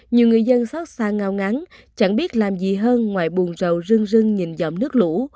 nhiều người dân xác xa ngao ngắn chẳng biết làm gì hơn ngoài buồn rầu rưng rưng nhìn dòng nước lũ